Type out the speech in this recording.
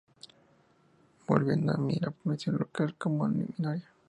Volviendo a sí a la población local como minoría.